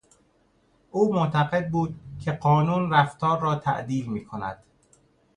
او معتقد بود که قانون رفتار را تعدیل می کند.